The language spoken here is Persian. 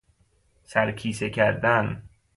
سر کیسه کردن